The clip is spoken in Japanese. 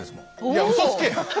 いやうそつけ！